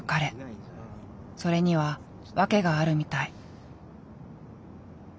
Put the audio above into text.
それには訳があるみたい。